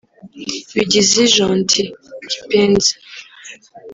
Bigizi Gentil (Kipenzi)